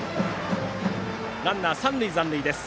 ランナー、三塁残塁です。